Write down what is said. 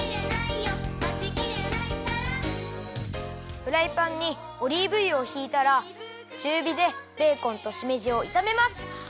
フライパンにオリーブ油をひいたらちゅうびでベーコンとしめじをいためます。